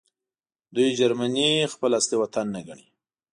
دوی جرمني خپل اصلي وطن نه ګڼي